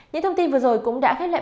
những thông tin vừa rồi cũng đã khép lại